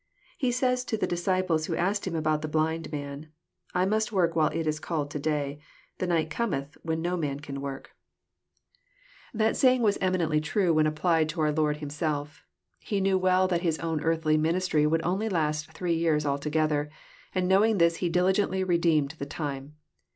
He says to the disciples who asked Him about the blind man, '' I must work while it is called to day : the night Cometh, when no man can work." 136 EXPOsrroRT Tnouanrs. That saying was eminently tnie when applied to oar Lord Himself. rHe knew well that his own earthly ministry would only last three years altogether, and knowing this He diligently redeemed the time.